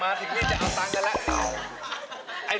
มาถึงนี้เคยเอาตังได้ละ